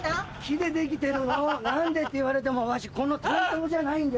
木で出来てるの何で？って言われてもわしこの担当じゃないんだよ。